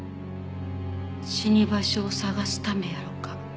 死に場所を探すためやろか？